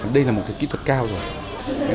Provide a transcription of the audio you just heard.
đây là một kỹ thuật cao rồi